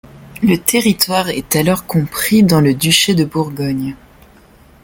Le territoire est alors compris dans le duché de Bourgogne.